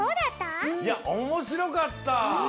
いやおもしろかった！